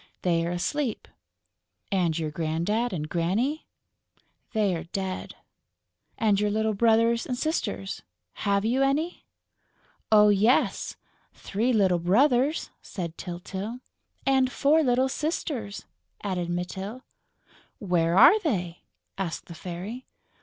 "They're asleep." "And your Grandad and Granny?" "They're dead...." "And your little brothers and sisters.... Have you any?..." "Oh, yes, three little brothers!" said Tyltyl. "And four little sisters," added Mytyl. "Where are they?" asked the Fairy.